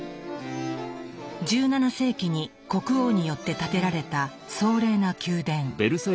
１７世紀に国王によって建てられた壮麗な宮殿。